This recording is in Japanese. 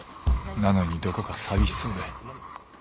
なのにどこか寂しそうで。